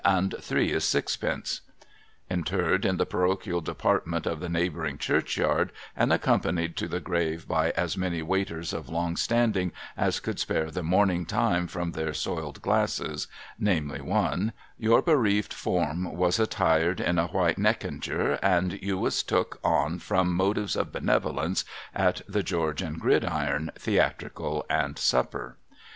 And three is sixpence.' Interred in the parochial department of the neighbouring churchyard, and accompanied to the grave by as many Waiters of long standing as could spare the morning time from their soiled glasses (namely, one), your bereaved form was attired in a white neckankecher, and you was took on from motives of benevolence at The George and Gridiron, theatrical and supper.